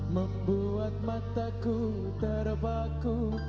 membuat mataku terbaku